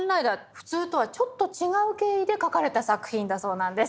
普通とはちょっと違う経緯で描かれた作品だそうなんです。